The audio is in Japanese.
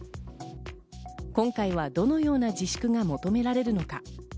今回はどのような自粛が求められるのか。